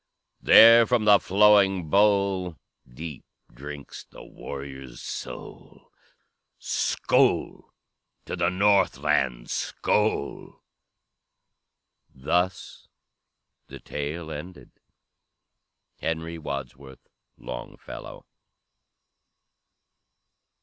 There from the flowing bowl Deep drinks the warrior's soul, Skoal! to the Northland! skoal!" Thus the tale ended. HENRY WADSWORTH LONGFELLOW.